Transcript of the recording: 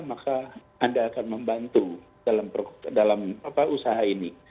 maka anda akan membantu dalam usaha ini